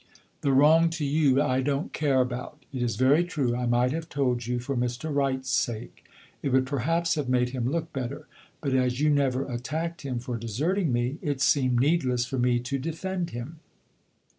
"The wrong to you I don't care about. It is very true I might have told you for Mr. Wright's sake. It would perhaps have made him look better. But as you never attacked him for deserting me, it seemed needless for me to defend him."